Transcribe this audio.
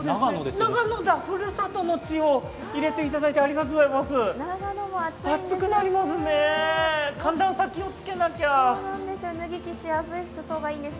長野だ、ふるさとの地を入れていただいてありがとうございます。